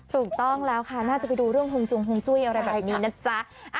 ถูกต้องแล้วค่ะน่าจะไปดูเรื่องฮงจงฮงจุ้ยอะไรแบบนี้นะจ๊ะ